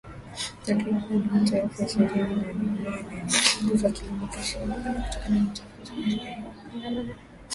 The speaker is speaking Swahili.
Takriban watu elfu ishirini na nane hufa kila mwaka nchini Uganda kutokana na uchafuzi wa hali ya hewa kulingana na kundi la kimazingira nchini humo